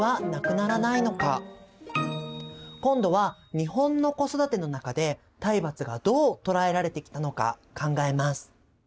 今度は日本の子育ての中で体罰がどう捉えられてきたのか考えます。